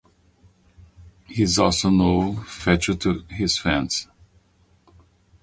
He is also known as Futche to his fans.